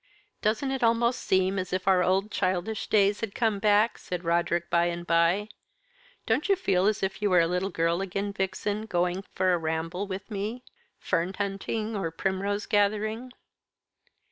"Doesn't it almost seem as if our old childish days had come back?" said Roderick by and by. "Don't you feel as if you were a little girl again, Vixen, going for a ramble with me fern hunting or primrose gathering?"